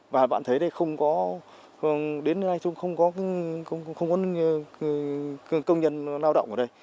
và bạn thấy đây không có công nhân lao động ở đây